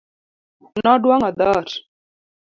Noduong'o dhoot.